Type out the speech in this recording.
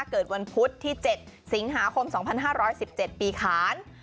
เกิดวันพุธที่๗สิงหาคม๒๕๑๗ปีขาน